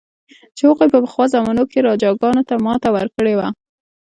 چې هغوی په پخوا زمانو کې راجاګانو ته ماته ورکړې وه.